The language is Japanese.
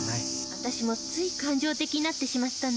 私もつい感情的になってしまったの。